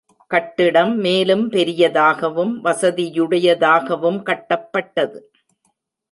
கட்டிடம் மேலும் பெரியதாகவும், வசதியுடையதாகவும் கட்டப்பட்டது.